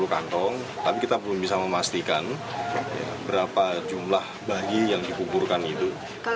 sepuluh kantong tapi kita belum bisa memastikan berapa jumlah bayi yang dikuburkan itu